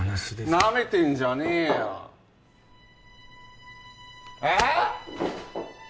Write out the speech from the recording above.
ナメてんじゃねえよえッ！